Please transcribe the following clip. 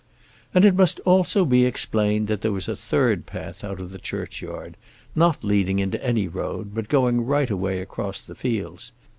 And it must also be explained that there was a third path out of the churchyard, not leading into any road, but going right away across the fields.